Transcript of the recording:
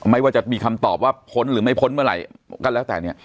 ว่าจะมีคำตอบว่าพ้นหรือไม่พ้นเมื่อไหร่ก็แล้วแต่เนี่ย